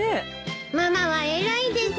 ママは偉いです。